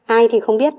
ai thì không biết